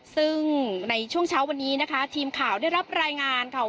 ซึ่งในช่วงเช้าวันนี้นะคะทีมข่าวได้รับรายงานค่ะ